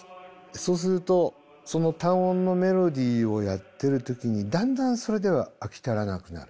そうするとその単音のメロディーをやってる時にだんだんそれでは飽き足らなくなる。